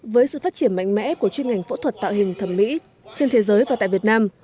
với sự phát triển mạnh mẽ của chuyên ngành phẫu thuật tạo hình thẩm mỹ trên thế giới và tại việt nam